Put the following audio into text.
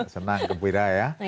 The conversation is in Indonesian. senang kegembira ya